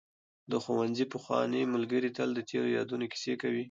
د ښوونځي پخواني ملګري تل د تېرو یادونو کیسې کوي.